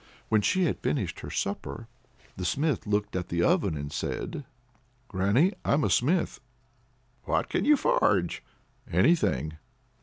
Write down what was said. When she had finished her supper, the Smith looked at the oven and said: "Granny, I'm a smith." "What can you forge?" "Anything."